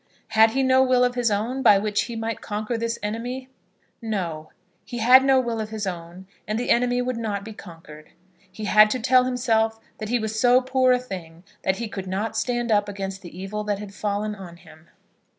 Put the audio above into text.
Had he no will of his own, by which he might conquer this enemy? No; he had no will of his own, and the enemy would not be conquered. He had to tell himself that he was so poor a thing that he could not stand up against the evil that had fallen on him.